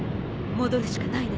戻るしかないね。